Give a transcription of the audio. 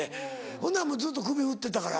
ほんならもうずっと首振ってたから。